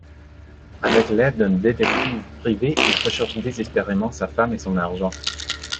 Avec l'aide d'un détective privé, il recherche désespérément sa femme et son argent.